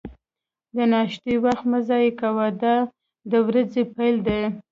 د ناشتې وخت مه ضایع کوه، دا د ورځې پیل دی.